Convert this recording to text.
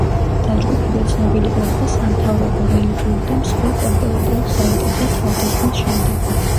დაჯგუფება ცნობილი გახდა, სამთავრობო, რელიგიურ და მსხვილ კორპორატიულ საიტებზე თავდასხმის შემდეგ.